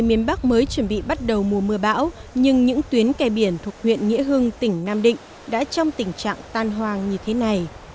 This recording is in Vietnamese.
vậy vì sao tuyến kè biển này chưa có bão đã xuống cấp đến như vậy